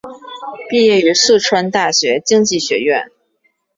毕业于四川大学经济学院。